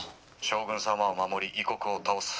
「将軍様を守り異国を倒す。